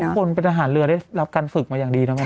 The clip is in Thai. แล้วทุกคนเป็นอาหารเรือได้รับการฝึกมาอย่างดีเนาะไหม